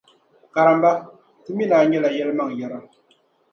Karimba, ti mi ni a nyɛla yɛlimaŋyɛra.